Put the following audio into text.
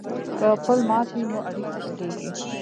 که پل مات وي نو اړیکې شلیږي.